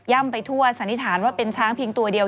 ไปทั่วสันนิษฐานว่าเป็นช้างเพียงตัวเดียว